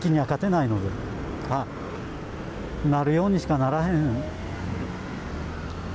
なるようにしかならへん。